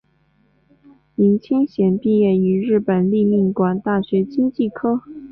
颜钦贤毕业于日本立命馆大学经济科。